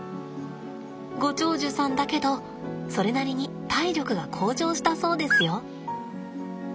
ご長寿さんだけどそれなりに体力が向上したそうですよ。